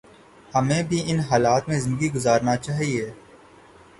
ہمیں بھی ان حالات میں زندگی گزارنا چاہیے